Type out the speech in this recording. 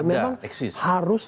memang harus eksis